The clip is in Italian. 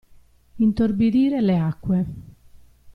Intorbidire le acque.